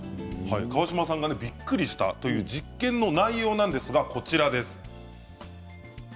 川島さんがびっくりした実験の内容がこちらです。